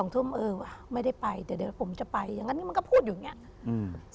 ทุ่มเออไม่ได้ไปแต่เดี๋ยวผมจะไปอย่างงั้นนี่มันก็พูดอยู่อย่างเงี้ยอืม